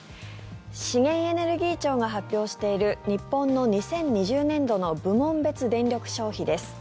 資源エネルギー庁が発表している日本の２０２０年度の部門別電力消費です。